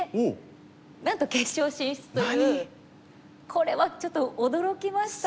これはちょっと驚きましたね。